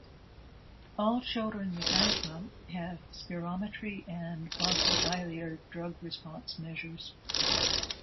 All children with asthma have spirometry and bronchodilator drug response measures.